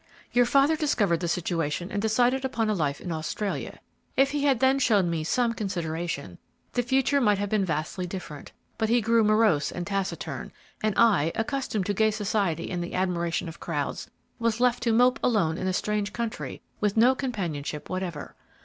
"Your father discovered the situation and decided upon a life in Australia. If he had then shown me some consideration, the future might have been vastly different; but he grew morose and taciturn, and I, accustomed to gay society and the admiration of crowds, was left to mope alone in a strange country, with no companionship whatever.